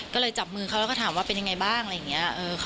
ก็เลยจับมือเขาแล้วก็ถามว่าเป็นยังไงบ้างอะไรอย่างนี้